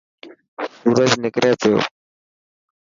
سورج نڪري گيو.